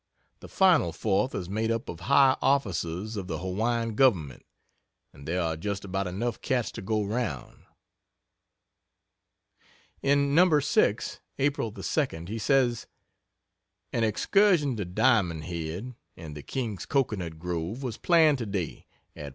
The final fourth is made up of high officers of the Hawaiian government, and there are just about enough cats to go round." In No. 6, April the 2d, he says: "An excursion to Diamond Head, and the king's cocoanut grove, was planned to day, at 4.